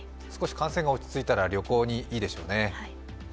少し感染が落ち着いたら、旅行にいいでしょうね。